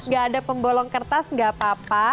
gak ada pembolong kertas nggak apa apa